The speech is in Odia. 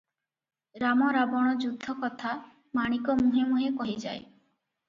ରାମ ରାବଣ ଯୁଦ୍ଧ କଥା ମାଣିକ ମୁହେଁ ମୁହେଁ କହିଯାଏ ।